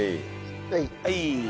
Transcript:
はい。